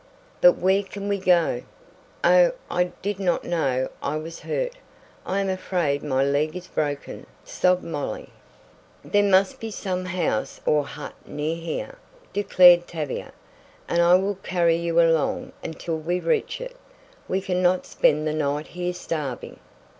"But where can we go? Oh, I did not know I was hurt! I am afraid my leg is broken!" sobbed Molly. "There must be some house or hut near here," declared Tavia, "and I will carry you along until we reach it. We can not spend the night here, starving."